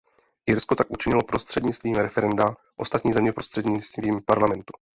Irsko tak učinilo prostřednictvím referenda, ostatní země prostřednictvím parlamentu.